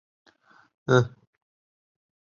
埃里克八世。